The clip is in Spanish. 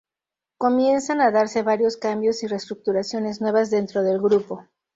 Comienzan a darse varios cambios y reestructuraciones nuevas dentro del grupo.